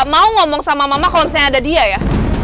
mau ngomong sama mama kalau misalnya ada dia ya